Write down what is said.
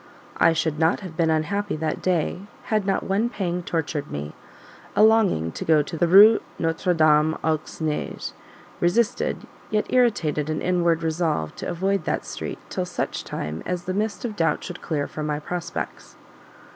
I should not have been unhappy that day had not one pang tortured me a longing to go to the Rue Notre Dame aux Neiges, resisted, yet irritated by an inward resolve to avoid that street till such time as the mist of doubt should clear from my prospects.